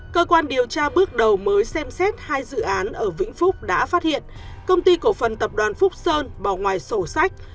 cơ quan điều tra bước đầu mới xem xét hai dự án ở vĩnh phúc đã phát hiện công ty cổ phần tập đoàn phúc sơn bỏ ngoài sổ sách